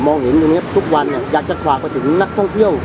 เห็นตรงนี้ทุกวันเนี่ยอยากจะฝากไปถึงนักท่องเที่ยว